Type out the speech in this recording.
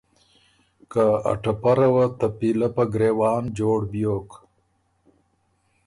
که ا ټپره وه ته پیلۀ په ګرېوان جوړ بیوک۔